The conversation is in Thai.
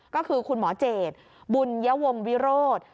ก็คือคุณหมอเจดบุญยวงวิโรธ